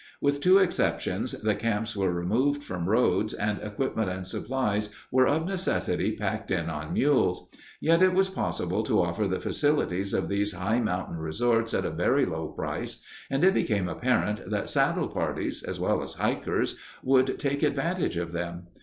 With two exceptions, the camps were removed from roads, and equipment and supplies were of necessity packed in on mules. Yet it was possible to offer the facilities of these high mountain resorts at a very low price, and it became apparent that saddle parties, as well as hikers, would take advantage of them.